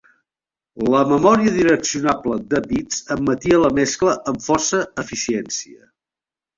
La memòria direccionable de bits admetia la mescla amb força eficiència.